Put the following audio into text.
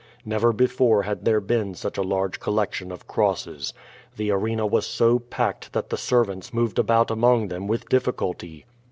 Xcver before had there been such a large collection of crosses. The arena was so packed that the servants moved about among them with difficulty.